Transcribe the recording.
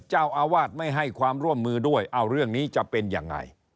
เจ้าอาวาสไม่ให้ความร่วมมือด้วยเอาเรื่องนี้จะเป็นยังไง